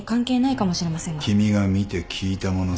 君が見て聞いたもの